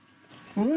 うん！